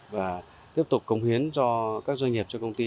và tiếp tục cống hiến cho các doanh nghiệp cho công ty